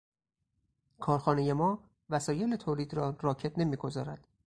کارخانهٔ ما وسایل تولید را راکد نمیگذارد.